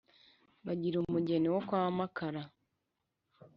bagira umugeni wo kwa makara